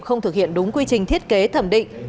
không thực hiện đúng quy trình thiết kế thẩm định